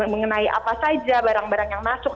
mengenai apa saja barang barang yang masuk